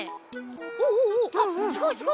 おおおすごいすごい。